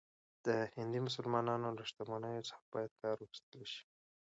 د هندي مسلمانانو له شتمنیو څخه باید کار واخیستل شي.